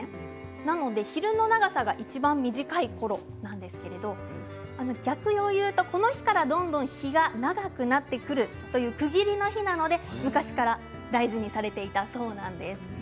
なので、昼の長さがいちばん短いころなんですけれども逆を言うとこの日からどんどん日が長くなってくるという区切りの日なので昔から大事にされていたそうなんです。